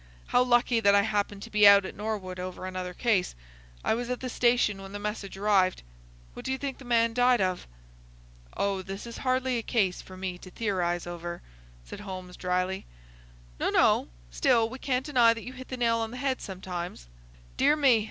How lucky that I happened to be out at Norwood over another case! I was at the station when the message arrived. What d'you think the man died of?" "Oh, this is hardly a case for me to theorise over," said Holmes, dryly. "No, no. Still, we can't deny that you hit the nail on the head sometimes. Dear me!